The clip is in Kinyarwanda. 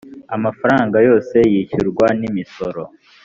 amafaranga yose yishyurwa n imisoro